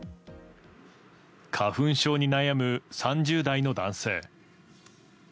花粉症に悩む３０代の男性。